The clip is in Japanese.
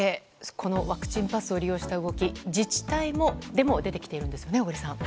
このワクチンパスを利用した動き自治体でも出てきているんですね、小栗さん。